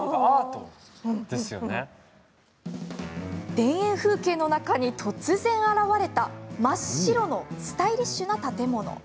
田園風景の中に突然、現れた真っ白のスタイリッシュな建物。